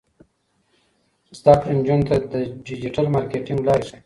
زده کړه نجونو ته د ډیجیټل مارکیټینګ لارې ښيي.